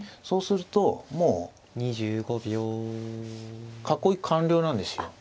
そうするともう囲い完了なんですよ。